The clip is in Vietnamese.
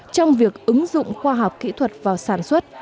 trong việc ứng dụng khoa học kỹ thuật vào sản xuất